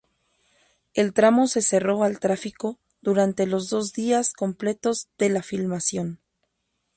El tramo se cerró al tráfico durante los dos días completos de la filmación.